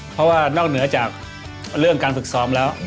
เพราะว่านอกเหนือจากเรื่องการฝึกซ้อมแล้ว